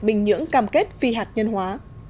bình nhưỡng cam kết phi hạt nhân hóa